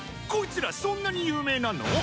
こいつらそんなに有名なの？